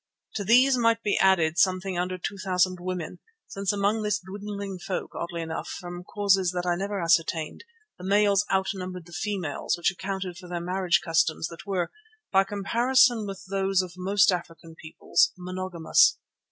To these might be added something under two thousand women, since among this dwindling folk, oddly enough, from causes that I never ascertained, the males out numbered the females, which accounted for their marriage customs that were, by comparison with those of most African peoples, monogamous.